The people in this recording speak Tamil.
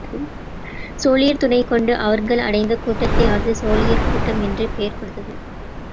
தோழியர் துணை கொண்டு அவர்கள் அடைந்த கூட்டத்தை அது தோழியர் கூட்டம் என்று பெயர் கொடுத்தது.